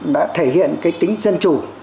đã thể hiện cái tính dân chủ